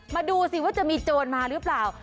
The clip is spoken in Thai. มานี่ดีว่าจะมีโจรมาหรือป่าว